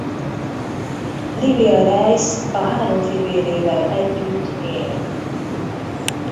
Libia Reyes a három fivérével együtt él.